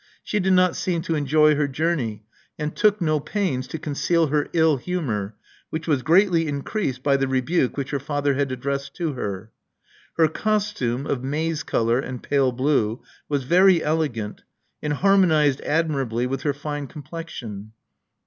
She did not seem to enjoy her journey, and took no pains to conceal her ill humor, which was greatly increased by the rebuke which her father had addressed to her. Her costume of maize color and pale blue was very elegant, and harmonized admirably with her fine complexion.